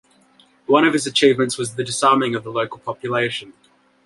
One of his achievements was the disarming of the local population.